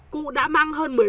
cụ đã mang hơn một mươi bốn